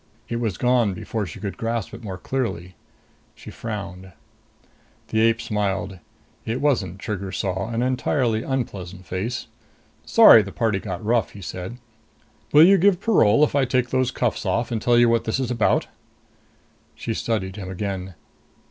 It was gone before she could grasp it more clearly. She frowned. The ape smiled. It wasn't, Trigger saw, an entirely unpleasant face. "Sorry the party got rough," he said. "Will you give parole if I take those cuffs off and tell you what this is about?" She studied him again.